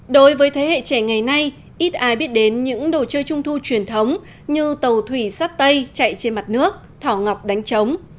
đối với thế hệ trẻ ngày nay ít ai biết đến những đồ chơi trung thu truyền thống như tàu thủy sắt tây chạy trên mặt nước thỏ ngọc đánh trống